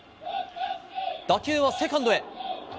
打球はセカンドへ。